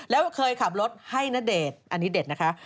แล้วเคยขับรถให้ณเดชน์อันนี้เด็ดนะคะ